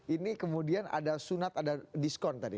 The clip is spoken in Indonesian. ini kemudian ada sunat ada diskon tadi